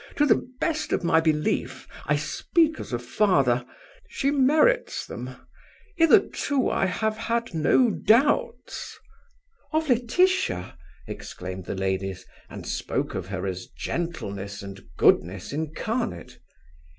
To the best of my belief I speak as a father she merits them. Hitherto I have had no doubts." "Of Laetitia?" exclaimed the ladies; and spoke of her as gentleness and goodness incarnate.